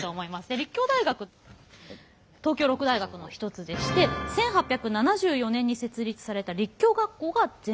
立教大学東京六大学の一つでして１８７４年に設立された立教学校が前身でして。